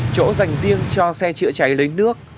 chỗ dành riêng cho xe chữa cháy lấy nước